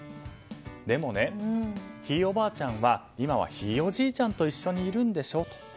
でもね、ひいおばあちゃんは今はひいおじいちゃんと一緒にいるんでしょと。